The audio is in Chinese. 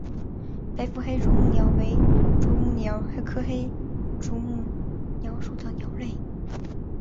白腹黑啄木鸟为啄木鸟科黑啄木鸟属的鸟类。